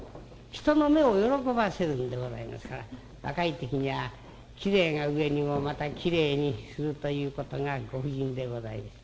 人の目を喜ばせるんでございますから若い時にはきれいが上にもまたきれいにするということがご婦人でございまして。